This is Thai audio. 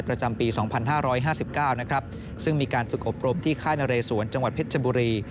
ประจำปี๒๕๕๙นะครับซึ่งมีการฝึกอบรมที่ค่ายนเรสวนจังหวัดเพชรบุรี